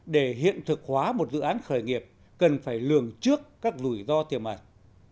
để hiện thực hóa một dự án khởi nghiệp cần phải lường trước các rủi ro tiềm ẩn